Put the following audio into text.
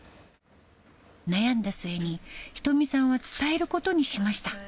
悩んだ末に、仁美さんは伝えることにしました。